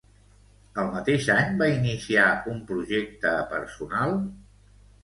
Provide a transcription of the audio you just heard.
El mateix any va iniciar un projecte personal?